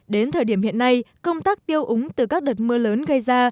đến thời điểm hiện nay công tác tiêu úng từ các đợt mưa lớn gây ra